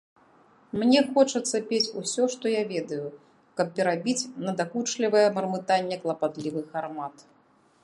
Мне хочацца пець усё, што я ведаю, каб перабіць надакучлівае мармытанне клапатлівых гармат.